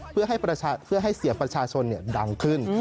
เพื่อให้เสียงประชาชนดังขึ้น